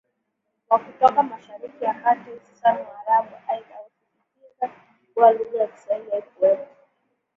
wa kutoka Mashariki ya Kati hususani Waarabu Aidha husisitiza kuwa lugha ya Kiswahili haikuwepo